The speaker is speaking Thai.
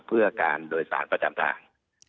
เพื่อการโดยสารประจำทาง